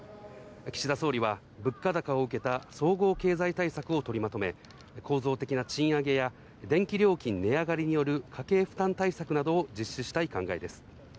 岸田総理は物価高を受けた総合経済対策を取りまとめ、構造的な賃上げや電気料金値上がりによる家計負担対策などを実施したい考えです。